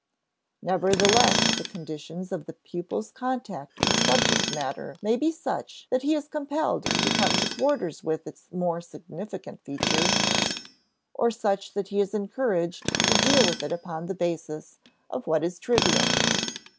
Nevertheless, the conditions of the pupil's contact with subject matter may be such that he is compelled to come to quarters with its more significant features, or such that he is encouraged to deal with it upon the basis of what is trivial.